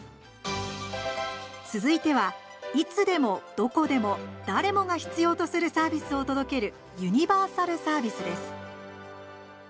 続いてはいつでも、どこでも、誰もが必要とするサービスを届けるユニバーサルサービスです。